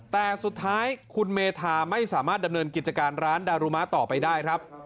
แต่สุดท้ายคุณเมธาไม่สามารถดำเนินกิจการร้านดารุมะต่อไปได้ครับ